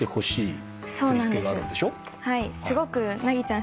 すごく和ちゃん